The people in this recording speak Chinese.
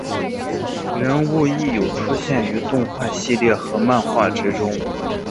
人物亦有出现于动画系列和漫画之中。